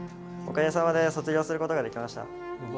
おかげさまで卒業することができました。